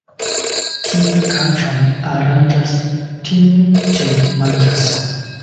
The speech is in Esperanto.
Kiu kaĉon aranĝas, tiu ĝin manĝas.